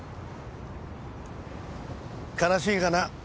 悲しいかな